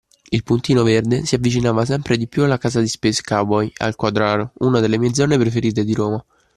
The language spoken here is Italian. Il puntino verde si avvicinava sempre di più alla casa di Space Cowboy, al Quadraro (una delle mie zone preferite di Roma).